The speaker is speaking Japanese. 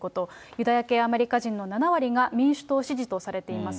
ユダヤ系アメリカ人の７割が民主党支持とされています。